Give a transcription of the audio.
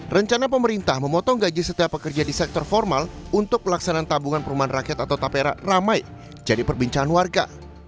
rencana pemerintah memotong gaji setiap pekerja di sektor formal untuk pelaksanaan tabungan perumahan rakyat atau tapera ramai jadi perbincangan warga